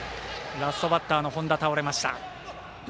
ラストバッターの本田倒れました。